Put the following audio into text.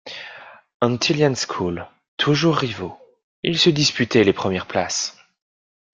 Antilian School, toujours rivaux, ils se disputaient les premières places.